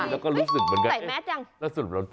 จะรู้สึกว่าใส่แมสอย่าง